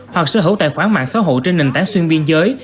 hoặc sở hữu tài khoản mạng xã hội trên nền tảng xuyên biên giới